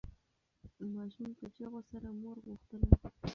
ماشوم په چیغو سره مور غوښتله.